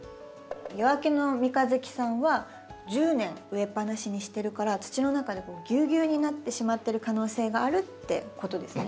夜明けの三日月さんは１０年植えっぱなしにしてるから土の中でぎゅうぎゅうになってしまってる可能性があるってことですね。